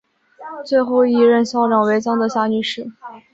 最后一任校长为江德霞女士。